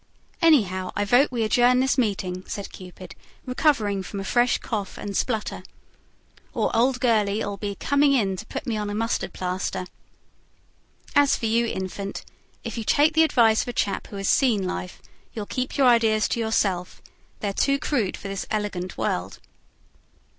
"Anyhow, I vote we adjourn this meeting," said Cupid, recovering from a fresh cough and splutter. "Or old Gurley'll be coming in to put me on a mustard plaster. As for you, Infant, if you take the advice of a chap who has seen life, you'll keep your ideas to yourself: they're too crude for this elegant world."